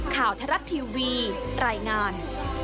ข่าวทรัพย์ทีวีรายงาน